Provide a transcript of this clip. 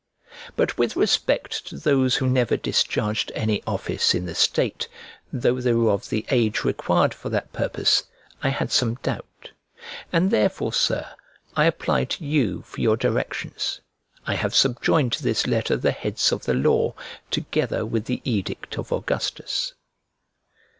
But with respect to those who never discharged any office in the state, though they were of the age required for that purpose, I had some doubt: and therefore, Sir, I apply to you for your directions. I have subjoined to this letter the heads of the law, together with the edict of Augustus.